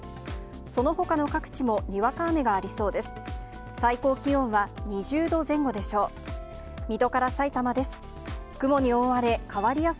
そのほかの各地もにわか雨がありそうです。